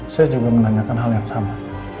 saya juga menanyakan hal yang sama